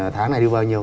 tháng này đưa bao nhiêu